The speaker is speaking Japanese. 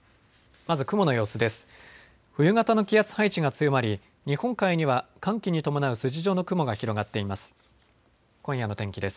まず雲の様子です。